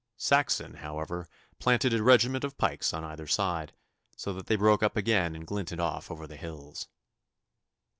Saxon, however, planted a regiment of pikes on either side, so that they broke up again and glinted off over the hills.